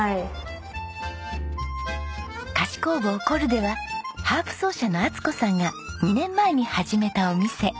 菓子工房コルデはハープ奏者の充子さんが２年前に始めたお店。